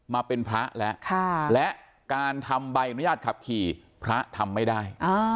มาเป็นพระแล้วและการทำใบอนุญาตขับขี่พระทำไม่ได้